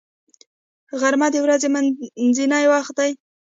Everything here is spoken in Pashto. غرمه د ورځې منځنی وخت دی